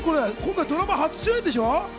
ドラマ初主演でしょ？